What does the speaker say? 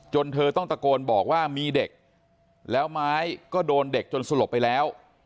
เธอต้องตะโกนบอกว่ามีเด็กแล้วไม้ก็โดนเด็กจนสลบไปแล้ว